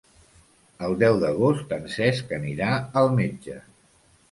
El deu d'agost en Cesc anirà al metge.